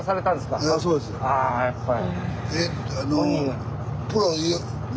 やっぱり。